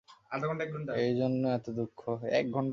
এই জন্য এতো দুঃখ?